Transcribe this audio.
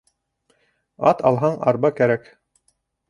Ат алһаң, арба кәрәк.